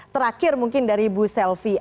terakhir mungkin dari bu selvi